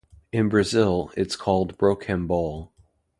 In Brazil, it's called "rocambole".